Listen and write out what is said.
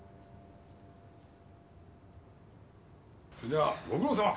それではご苦労さま。